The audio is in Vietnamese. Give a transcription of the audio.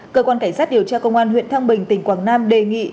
cơ quan cảnh sát điều tra công an huyện thăng bình tỉnh quảng nam đề nghị